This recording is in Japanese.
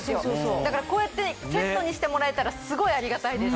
だからこうやってセットにしてもらえたらすごいありがたいです。